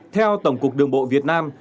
theo tổng cục đường bộ việt nam